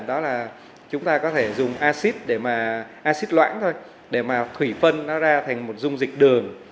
đó là chúng ta có thể dùng acid loãng thôi để mà thủy phân nó ra thành một dung dịch đường